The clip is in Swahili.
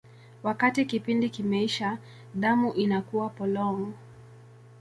Wakati kipindi kimeisha, damu inakuwa polong.